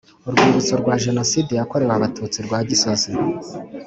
Urwibutso rwa Jenoside yakorewe Abatutsi rwa Gisozi